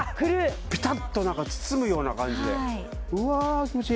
ピタッと何か包むような感じでうわ気持ちいい！